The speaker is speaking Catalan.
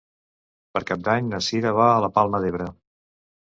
Per Cap d'Any na Cira va a la Palma d'Ebre.